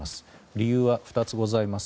理由は２つございます。